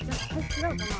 違うかな？